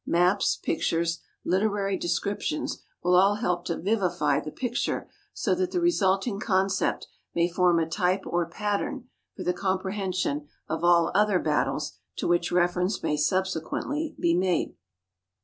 Maps, pictures, literary descriptions will all help to vivify the picture so that the resulting concept may form a type or pattern for the comprehension of all other battles to which reference may subsequently be made.